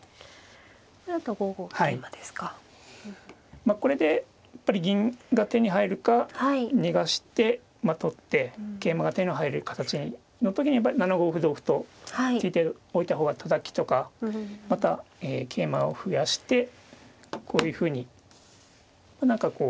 まあこれでやっぱり銀が手に入るか逃がして取って桂馬が手に入る形の時にやっぱり７五歩同歩と突いておいた方がたたきとかまたえ桂馬を増やしてこういうふうに何かこう。